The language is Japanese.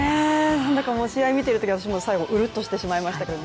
何だかもう試合を見ているとき私も最後、うるっとしてしまいましたけど。